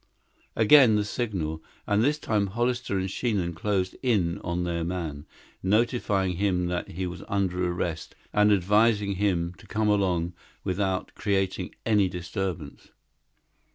Again the signal and this time Hollister and Sheehan closed in on their man, notifying him that he was under arrest and advising him to come along without creating any disturbance.